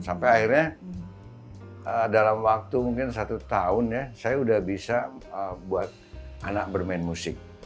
sampai akhirnya dalam waktu mungkin satu tahun ya saya sudah bisa buat anak bermain musik